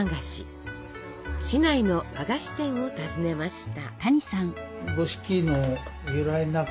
市内の和菓子店を訪ねました。